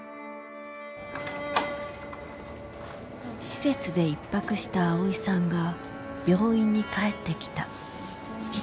施設で１泊したあおいさんが病院に帰ってきた。